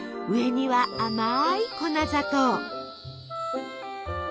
上には甘い粉砂糖。